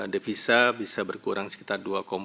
devisa bisa berkurang sekitar